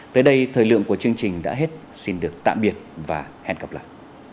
tới đây thời lượng của chương trình đã hết xin được tạm biệt và hẹn gặp lại